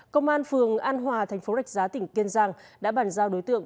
công an phường an hòa thành phố rạch giá tỉnh kiên giang đã bàn giao đối tượng